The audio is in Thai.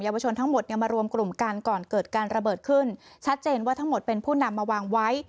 ส่วนข้างด้านของคนตำรวจตรีที่ทรพวงศรัทธ์พิทักษ์